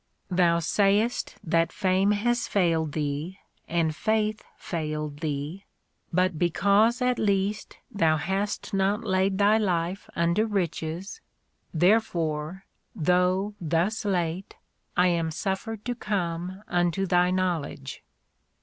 Thou say est that fame has failed thee, A DAY WITH ROSSETTI. and faith failed thee ; but because at least thou hast not laid thy life unto riches, there fore, though thus late, I am suffered to come unto thy knowledge.